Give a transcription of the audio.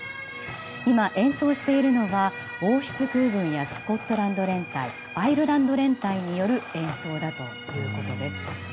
今、演奏しているのは王室空軍やスコットランド連隊アイルランド連隊による演奏だということです。